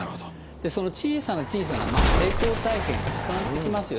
その小さな小さな成功体験が重なってきますよね。